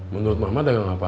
menurut mama dagang apa